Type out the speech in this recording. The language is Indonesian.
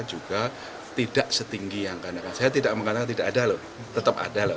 juga tidak setinggi yang akan datang saya tidak mengatakan tidak ada lho tetap ada lho